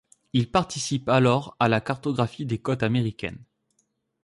Il participe alors à la cartographie des côtes américaines.